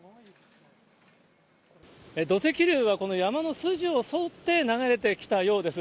土石流は、この山の筋を沿って流れてきたようです。